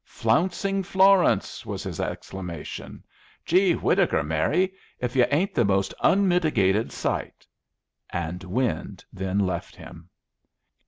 "Flouncing Florence!" was his exclamation. "Gee whittaker, Mary, if you ain't the most unmitigated sight!" And wind then left him.